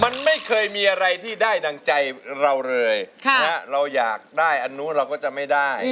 มันไม่เคยมีอะไรที่ได้ดังใจเราเลยเราอยากได้อันนู้นเราก็จะไม่ได้